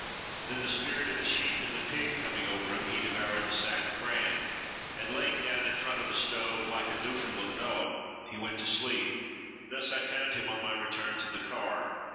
Then the spirit of the sheep and the pig coming over him, he devoured the sack of bran, and laying down in front the stove like a Newfoundland dog, he went to sleep. Thus I found him on my return to the car.